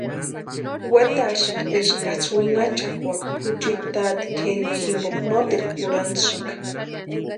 Wetarhisïnti eskaksï winhachakwaaka juchiti tati kʼerini jimpo noteru kurhantisïnka.